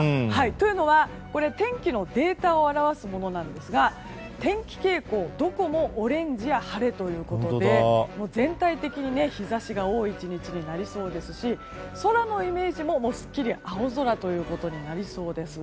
というのは天気のデータを表すものですが天気傾向どこもオレンジや晴れということで全体的に日差しが多い１日になりそうですし空のイメージもすっきり青空となりそうです。